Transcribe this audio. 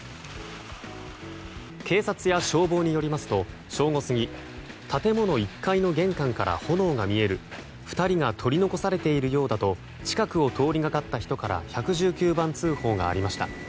警察や消防によりますと正午過ぎ建物１階の玄関から炎が見える２人が取り残されているようだと近くを通りがかった人から１１９番通報がありました。